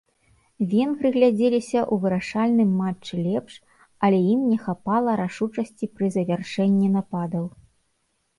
Венгры глядзеліся ў вырашальным матчы лепш, але ім не хапала рашучасці пры завяршэнні нападаў.